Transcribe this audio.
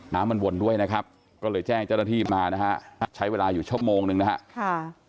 น้ำมันวนด้วยนะครับก็เลยแจ้งเจ้าหน้าที่มานะฮะใช้เวลาอยู่ชั่วโมงหนึ่งนะฮะค่ะ